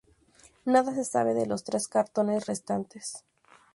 Nada se sabe de los tres cartones restantes.